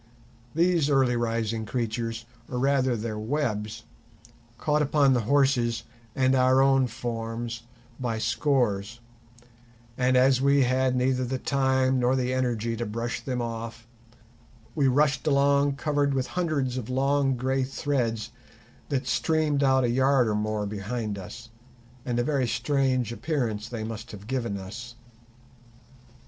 These early rising creatures, or rather their webs, caught upon the horse's and our own forms by scores, and, as we had neither the time nor the energy to brush them off, we rushed along covered with hundreds of long grey threads that streamed out a yard or more behind us—and a very strange appearance they must have given us.